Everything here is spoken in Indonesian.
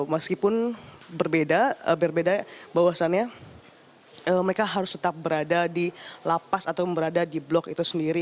meskipun berbeda berbeda bahwasannya mereka harus tetap berada di lapas atau berada di blok itu sendiri